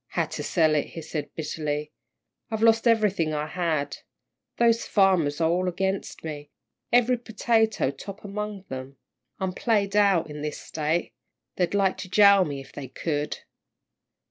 "Had to sell it," he said, bitterly. "I've lost everything I had. Those farmers are all against me. Every potato top among them. I'm played out in this State. They'd like to jail me if they could."